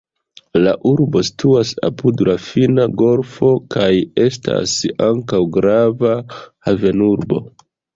La urbo situas apud la Finna golfo kaj estas ankaŭ grava havenurbo.